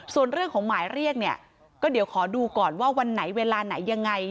ส่วนเรื่องของหมายเรียกเนี่ยก็เดี๋ยวขอดูก่อนว่าวันไหนเวลาไหนยังไง